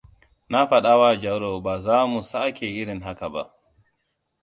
Na fadawa Jauro baza mu sake irin haka ba?